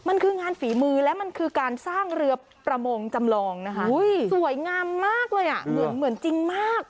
มันคืองานฝีมือและมันคือการสร้างเรือประมงจำลองนะคะสวยงามมากเลยอ่ะเหมือนจริงมาก